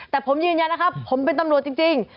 แต่ผมยืนยันนะครับผมเป็นตำรวจจริง